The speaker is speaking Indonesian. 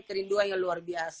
kerinduan yang luar biasa